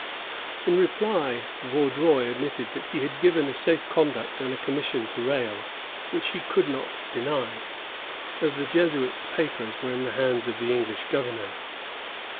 " In reply, Vaudreuil admitted that he had given a safe conduct and a commission to Rale, which he could not deny, as the Jesuit's papers were in the hands of the English governor.